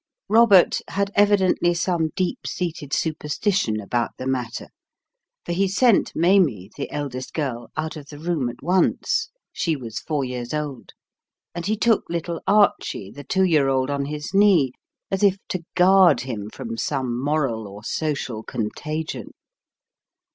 Robert had evidently some deep seated superstition about the matter; for he sent Maimie, the eldest girl, out of the room at once; she was four years old; and he took little Archie, the two year old, on his knee, as if to guard him from some moral or social contagion.